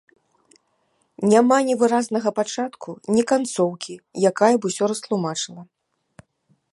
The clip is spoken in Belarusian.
Няма ні выразнага пачатку, ні канцоўкі, якая б усё растлумачыла.